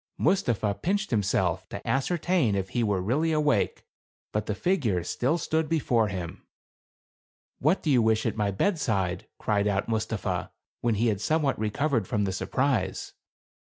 Mustapha pinched himself to ascertain if he were really awake, but the figure still stood before him. " What do you wish at my bed side?" cried out Mustapha, when he had some what recovered from the surprise.